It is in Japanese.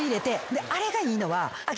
であれがいいのは。